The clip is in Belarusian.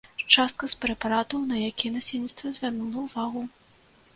Частка з прэпаратаў, на якія насельніцтва звярнула ўвагу.